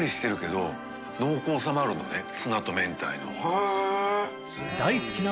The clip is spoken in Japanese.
へぇ。